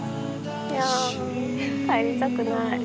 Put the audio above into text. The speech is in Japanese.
いや帰りたくない。